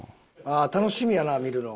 楽しみやな見るの。